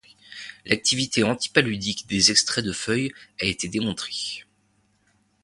L'activité antipaludique des extraits de feuilles a été démontrée.